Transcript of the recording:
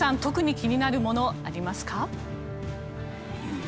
特に気になるものありますか？